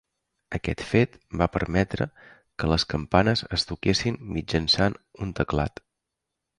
Aquest fet va permetre que les campanes es toquessin mitjançant un teclat.